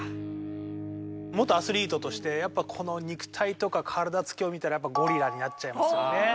元アスリートとしてやっぱこの肉体とか体つきを見たらゴリラになっちゃいますよね。